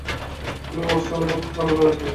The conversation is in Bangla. তিনি বহু শ্রমিক এবং কৃষক আন্দোলনের নেতৃত্ব দেন।